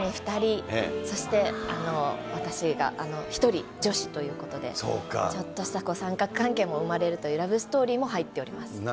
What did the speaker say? ２人、そして、私が一人、女子ということで、ちょっとした三角関係も生まれるという、ラブストーリーも入っております。